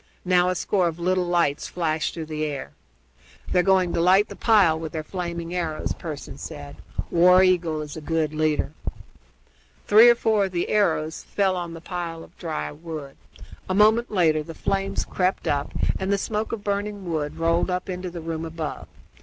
Now a score of little lights flashed through the air. "They're going to light the pile with their flaming arrows," Pearson said. "War Eagle is a good leader." Three or four of the arrows fell on the pile of dry wood. A moment later the flames crept up and the smoke of burning wood rolled up into the room above.